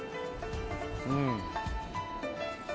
うん。